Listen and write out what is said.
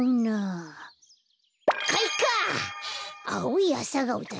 あおいアサガオだ。